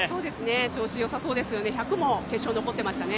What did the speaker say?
調子よさそうですね、１００も決勝に残りましたね。